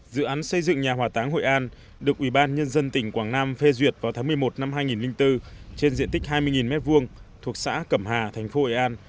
dự án xây dựng nhà hòa táng hội an được ubnd tỉnh quảng nam phê duyệt vào tháng một mươi một năm hai nghìn bốn trên diện tích hai mươi m hai thuộc xã cẩm hà thành phố hội an